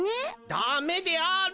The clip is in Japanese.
ダメであーる！